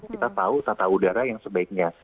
kita tahu tata udara yang sebaiknya